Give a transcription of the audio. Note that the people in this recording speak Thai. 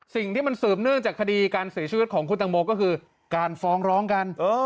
สิ่งที่มันสืบเนื่องจากคดีการเสียชีวิตของคุณตังโมก็คือการฟ้องร้องกัน